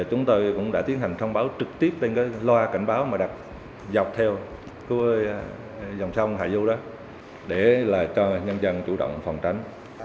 chúng tôi cũng đã tiến hành thông báo trực tiếp lên loa cảnh báo mà đặt dọc theo dòng sông hải dô đó để cho nhân dân chủ động phòng tránh